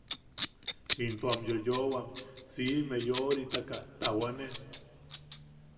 Into am yoowawam si’ime yo’oritaka tawane.